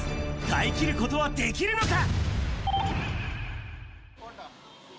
耐えきることはできるのか？